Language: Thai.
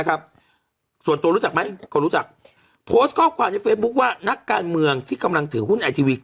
ส่วนตัวรู้จักไหมคนรู้จักโพสต์ข้อความในเฟซบุ๊คว่านักการเมืองที่กำลังถือหุ้นไอทีวี